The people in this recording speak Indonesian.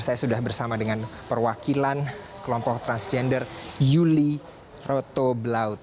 saya sudah bersama dengan perwakilan kelompok transgender yuli roto blaut